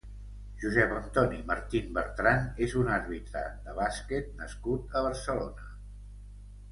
Josep Antoni Martín Bertrán és un àrbitre de bàsquet nascut a Barcelona.